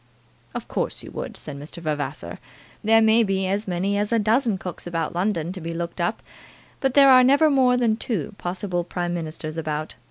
"Of course you would," said Mr. Vavasor. "There may be as many as a dozen cooks about London to be looked up, but there are never more than two possible Prime Ministers about.